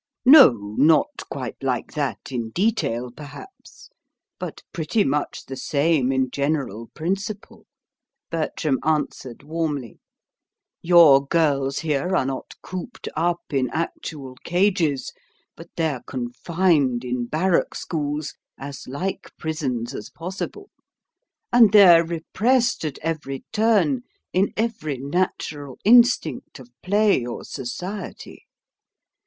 "No, not quite like that, in detail, perhaps, but pretty much the same in general principle," Bertram answered warmly. "Your girls here are not cooped up in actual cages, but they're confined in barrack schools, as like prisons as possible; and they're repressed at every turn in every natural instinct of play or society.